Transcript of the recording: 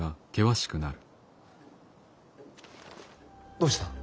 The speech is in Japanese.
どうした？